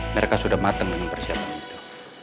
mereka sudah matang dengan persiapan itu